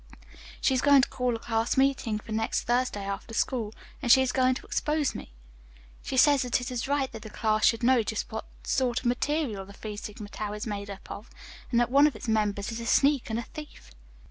"She is going to call a class meeting for next Thursday after school, and she is going to expose me. She says that it is right that the class should know just what sort of material the Phi Sigma Tau is made up of, and that one of its members is a sneak and a thief."